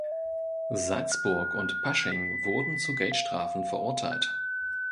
Salzburg und Pasching wurden zu Geldstrafen verurteilt.